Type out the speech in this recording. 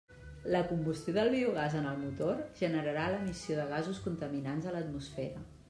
La combustió del biogàs en el motor generarà l'emissió de gasos contaminants a l'atmosfera.